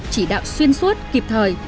chỉ đạo xuyên suốt kịp thời